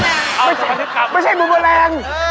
ไม่ใช่ไม่ใช่บุบแรง